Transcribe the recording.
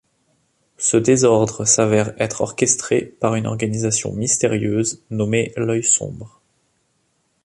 Ce désordre s'avère être orchestré par une organisation mystérieuse nommée l'Œil Sombre.